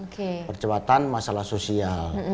kecepatan masalah sosial